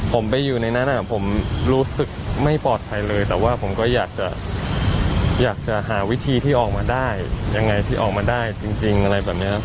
ผมไปอยู่ในนั้นผมรู้สึกไม่ปลอดภัยเลยแต่ว่าผมก็อยากจะอยากจะหาวิธีที่ออกมาได้ยังไงที่ออกมาได้จริงอะไรแบบนี้ครับ